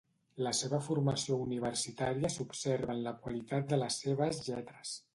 La seva formació universitària s'observa en la qualitat de les seves lletres.